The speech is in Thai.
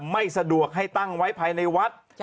ไม่สะดวกให้ตั้งไว้ภายในวัด